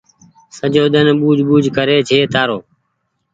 سجو ۮن ٻوجه ٻوجه ڪري ڇي تآرو